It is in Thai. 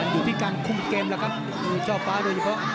อยู่ที่การคุมเกมแล้วครับมวยช่อฟ้าโดยเฉพาะ